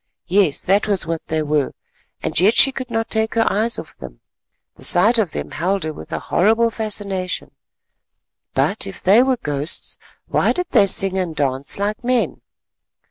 Yes, that was what they were, and yet she could not take her eyes off them—the sight of them held her with a horrible fascination. But if they were ghosts, why did they sing and dance like men?